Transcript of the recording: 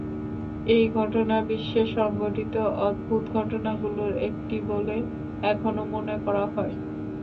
এই ঘটনা বিশ্বে সংঘটিত অদ্ভুত ঘটনাগুলোর একটি বলে এখনো মনে করা হয়।